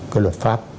cái luật pháp